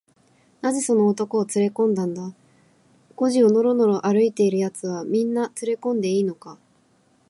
「なぜその男をつれこんだんだ？小路をのろのろ歩いているやつは、みんなつれこんでいいのか？」